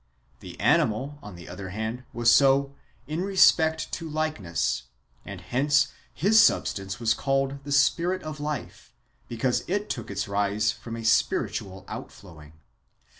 The animal, on the other hand, was so in respect to like ness; and hence his substance was called the spirit of life, because it took its rise from a spiritual outflowing.